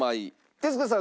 徹子さん